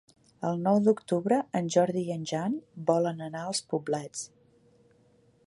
El nou d'octubre en Jordi i en Jan volen anar als Poblets.